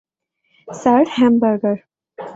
Sir, hamburger.